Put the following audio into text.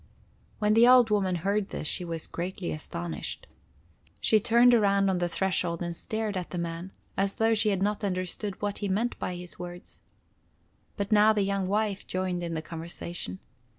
When the old woman heard this, she was greatly astonished. She turned around on the threshold and stared at the man, as though she had not understood what he meant by his words. But now the young wife joined in the conversation.